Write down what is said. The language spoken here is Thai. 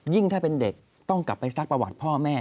ถ้าเป็นเด็กต้องกลับไปซักประวัติพ่อแม่